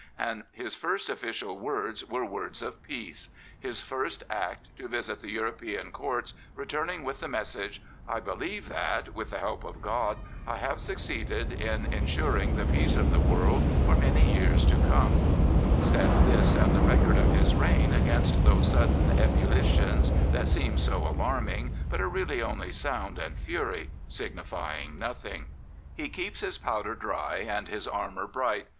And his first official words were words of peace; his first act to visit the European courts, re turning with the message, ' I believe that, with the 70 The Kaiser help of God, I have succeeded in ensuring the peace of the world for many years to come/ Set this and the record of his reign against those sudden ebuUitions that seem so alarming, but are really only sound and fury, signifying nothing/' He keeps his powder dry and his armour bright.